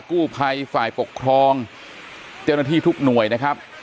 กู้ภัยฝ่ายปกครองเจ้าหน้าที่ทุกหน่วยนะครับ